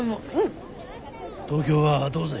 東京はどうぜ？